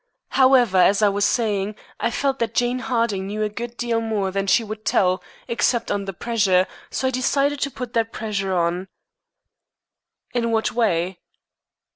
However, as I was saying, I felt that Jane Harding knew a good deal more than she would tell, except under pressure, so I decided to put that pressure on." "In what way?"